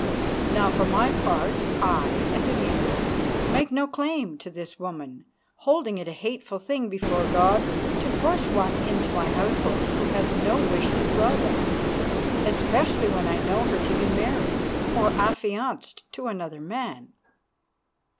Now for my part, I, as Emir, make no claim to this woman, holding it a hateful thing before God to force one into my household who has no wish to dwell there, especially when I know her to be married or affianced to another man.